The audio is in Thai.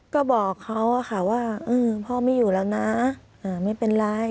ก็บอกเขาอะค่ะว่าพ่อไม่อยู่แล้วนะไม่เป็นไร